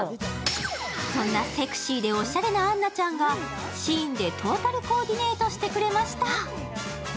そんなセクシーでおしゃれな杏奈ちゃんがＳＨＩＩＮでトータルコーディネートしてくれました。